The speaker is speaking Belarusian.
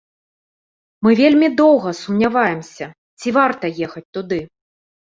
Мы вельмі доўга сумняваемся, ці варта ехаць туды.